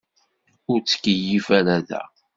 Ur ttkeyyif ara da.